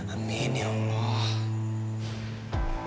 amin ya allah